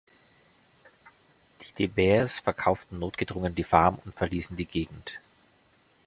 Die de Beers verkauften notgedrungen die Farm und verließen die Gegend.